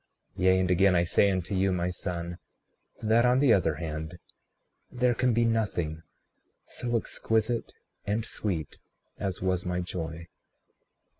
Yea, and again I say unto you, my son, that on the other hand, there can be nothing so exquisite and sweet as was my joy.